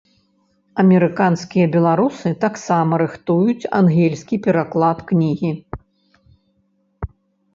Амерыканскія беларусы таксама рыхтуюць ангельскі пераклад кнігі.